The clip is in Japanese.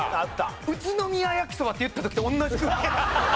「宇都宮やきそば」って言った時と同じ空気。